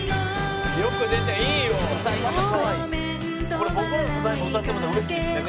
「これ僕らの世代も歌ってもうたら嬉しいですね